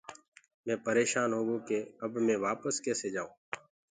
مينٚ پريشان هوگو ڪي اب مي وپس ڪسي جآيونٚ۔